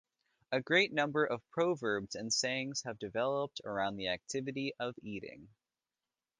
A great number of proverbs and sayings have developed around the activity of eating.